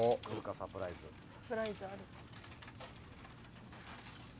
サプライズある。